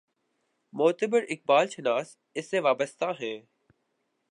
معتبر اقبال شناس اس سے وابستہ ہیں۔